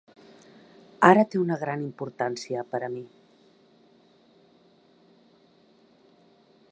Ara té una gran importància per a mi